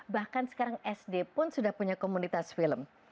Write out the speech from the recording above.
bahkan sekarang sd pun sudah punya komunitas film